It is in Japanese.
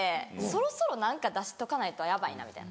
そろそろ何か出しとかないとヤバいなみたいな。